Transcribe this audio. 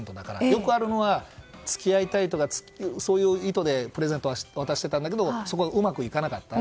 よくあるのは、付き合いたいとかそういう意図でプレゼントを渡していたけどうまくいかなかった。